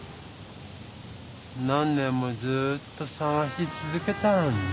何年もずっとさがしつづけたのにな。